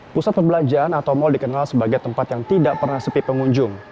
pusat perbelanjaan atau mal dikenal sebagai tempat yang tidak pernah sepi pengunjung